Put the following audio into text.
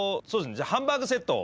じゃあハンバーグセットを。